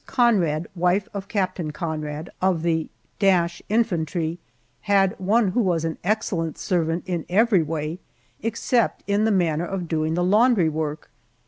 Conrad, wife of Captain Conrad, of the th Infantry, had one who was an excellent servant in every way except in the manner of doing the laundry work.